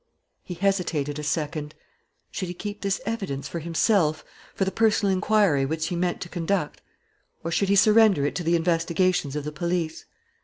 He hesitated a second. Should he keep this evidence for himself, for the personal inquiry which he meant to conduct? Or should he surrender it to the investigations of the police?